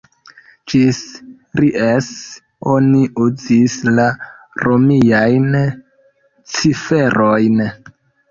Ĝis Ries oni uzis la romiajn ciferojn.